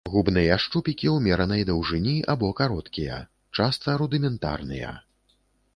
Губныя шчупікі ўмеранай даўжыні або кароткія, часта рудыментарныя.